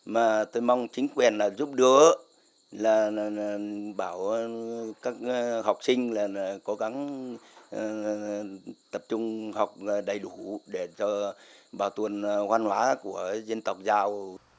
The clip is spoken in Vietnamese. mà tôi mong chính quyền giúp đỡ là bảo các học sinh là cố gắng tập trung học đầy đủ để cho bảo tồn văn hóa của dân tộc giao